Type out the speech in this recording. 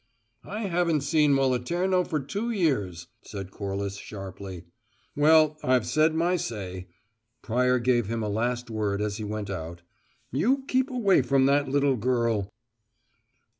"I haven't seen Moliterno for two years," said Corliss, sharply. "Well, I've said my say." Pryor gave him a last word as he went out. "You keep away from that little girl."